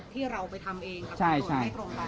ที่เราไปทำเองครับไม่ตรงกัน